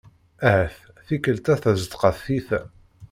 Ahat tikelt-a tezdeq-as tyita.